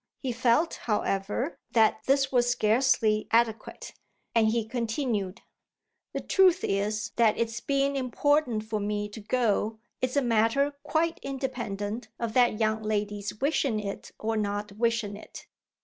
He felt, however, that this was scarcely adequate and he continued: "The truth is that its being important for me to go is a matter quite independent of that young lady's wishing it or not wishing it.